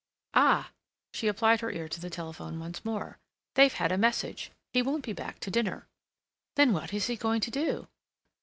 "Ah!" She applied her ear to the telephone once more. "They've had a message. He won't be back to dinner." "Then what is he going to do?"